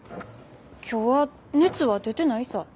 今日は熱は出てないさぁ。